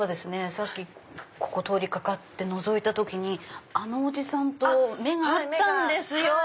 さっきここ通りかかってのぞいた時あのおじさんと目が合ったんですよ。